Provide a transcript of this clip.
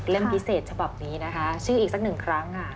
พิเศษฉบับนี้นะคะชื่ออีกสักหนึ่งครั้งค่ะ